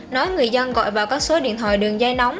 nói người dân gọi vào các số điện thoại đường dây nóng